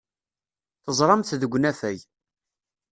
Teẓram-t deg unafag.